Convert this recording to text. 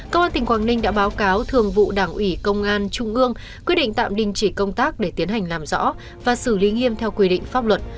công an tỉnh quảng ninh đã báo cáo thường vụ đảng ủy công an trung ương quyết định tạm đình chỉ công tác để tiến hành làm rõ và xử lý nghiêm theo quy định pháp luật